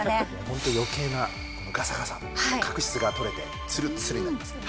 ホント余計なガサガサ角質が取れてつるつるになります。